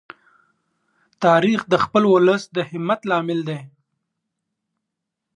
تاریخ د خپل ولس د همت لامل دی.